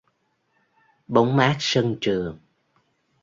Bóng mát sân trường